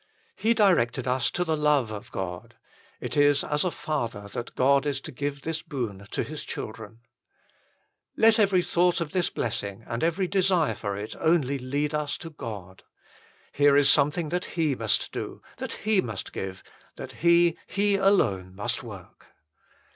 3 He directed us to the love of God : it is as a Father that God is to give this boon to His children. Let every thought of this blessing and every desire for it only lead us to God. Here is something that HE must do, that He must give, that HE, HE ALONE, must work.